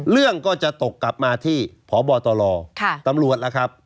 เรื่องก็จะตกกลับมาที่พบตรตำรวจล่ะครับ